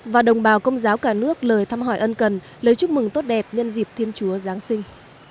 và đồng bào công giáo cả nước lời thăm hỏi ân cần lời chúc mừng tốt đẹp nhân dịp thiên chúa giáng sinh